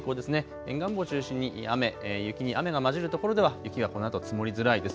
沿岸部を中心に雨、雪に雨が交じる所では雪がこのあと積もりづらいです。